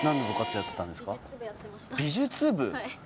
美術部。